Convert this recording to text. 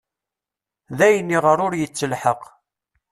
D ayen iɣer ur yettelḥaq.